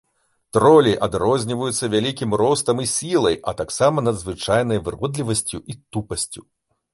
Тролі адрозніваюцца вялізным ростам і сілай, а таксама надзвычайнай выродлівасцю і тупасцю.